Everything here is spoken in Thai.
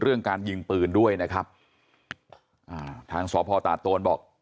การยิงปืนด้วยนะครับอ่าทางสพตาโตนบอก